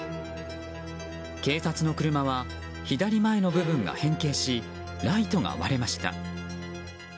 警察の車は、左前の部分が変形しライトが割れました。